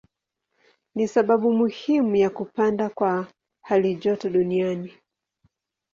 Ni sababu muhimu ya kupanda kwa halijoto duniani.